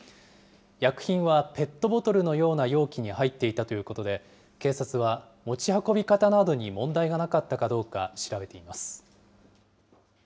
薬品はペットボトルのような容器に入っていたということで、警察は持ち運び方などに問題がなかったかどうか調べています。